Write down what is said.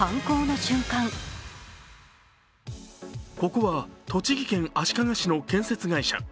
ここは栃木県足利市の建設会社。